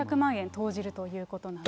投じるということなんです。